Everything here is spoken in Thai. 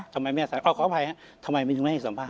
ทำไมไม่สัมภาษณ์ขออภัยครับทำไมไม่ให้สัมภาษณ์